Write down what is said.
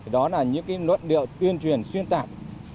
đó là những luận điệu tuyên truyền xuyên tạc